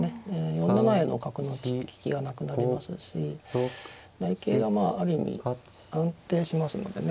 ４七への角の利きがなくなりますし成桂がまあある意味安定しますのでね。